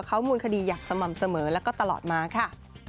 เขามูลคดีอย่างสม่ำเสมอแล้วก็ตลอดมาค่ะ